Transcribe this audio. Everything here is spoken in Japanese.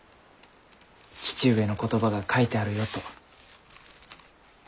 「父上の言葉が書いてあるよ」と。